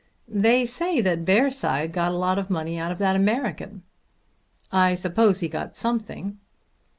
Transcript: "They say that Bearside got a lot of money out of that American." "I suppose he got something."